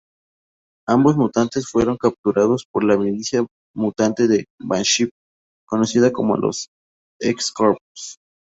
Ambos mutantes fueron capturados por la milicia mutante de Banshee, conocida como los X-Corps.